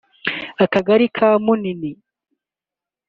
akagari ka Munini